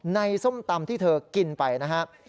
ส้มตำที่เธอกินไปนะครับ